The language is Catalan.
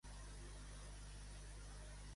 Mal hom no es vol a Déu comanar, sinó quan trona.